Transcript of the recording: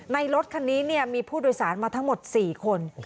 รถคันนี้มีผู้โดยสารมาทั้งหมด๔คน